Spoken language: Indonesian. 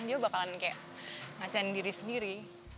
dia bakalan kayak ngasih diri sendiri